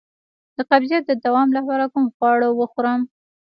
د قبضیت د دوام لپاره کوم خواړه وخورم؟